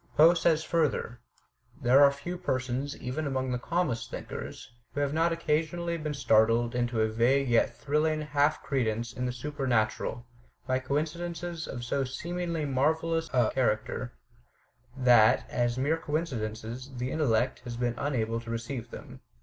Poe says further: *^ There are few persons, even among the calmest thinkers, who have not occasionally been startled into a vague yet thrilling half credence in the supernatural, by coincidences of so seemingly marvellous a character that, as mere coinci dences, the intellect has been unable to receive them.